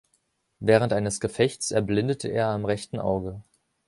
Während eines Gefechts erblindete er am rechten Auge.